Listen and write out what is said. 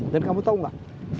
dan kamu tau gak